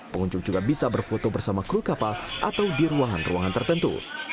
pengunjung juga bisa berfoto bersama kru kapal atau di ruangan ruangan tertentu